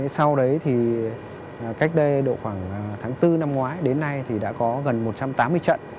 sau đấy thì cách đây độ khoảng tháng bốn năm ngoái đến nay thì đã có gần một trăm tám mươi trận